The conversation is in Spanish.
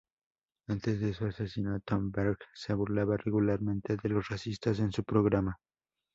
Antes de su asesinato, Berg se burlaba regularmente de los racistas en su programa.